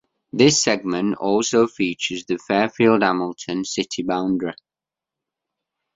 This segment also features the Fairfield-Hamilton city boundary.